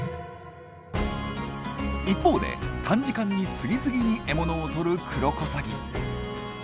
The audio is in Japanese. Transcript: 一方で短時間に次々に獲物をとるクロコサギ。